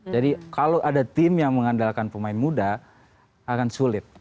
jadi kalau ada tim yang mengandalkan pemain muda akan sulit